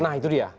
nah itu dia